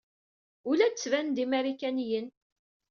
Ur la d-ttbanen d Imarikaniyen.